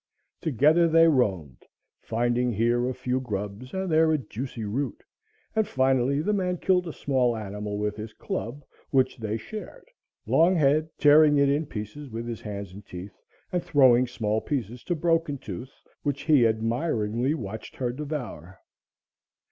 Together they roamed, finding here a few grubs and there a juicy root, and finally the man killed a small animal with his club, which they shared, Longhead tearing it in pieces with his hands and teeth and throwing small pieces to Broken Tooth, which he admiringly watched her devour.